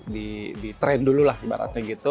di tren dulu lah ibaratnya gitu